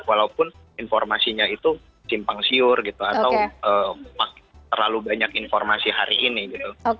walaupun informasinya itu simpang siur gitu atau terlalu banyak informasi hari ini gitu